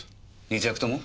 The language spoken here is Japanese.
２着とも？